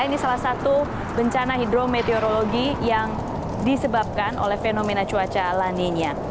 ini salah satu bencana hidrometeorologi yang disebabkan oleh fenomena cuaca laninya